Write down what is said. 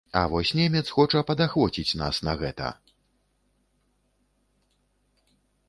А вось немец хоча падахвоціць нас на гэта.